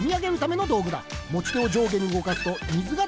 もちてをじょうげにうごかすとみずが